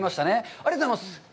ありがとうございます。